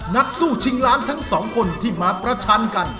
นักสู้ชิงล้านทั้งสองคนที่มาประชันกัน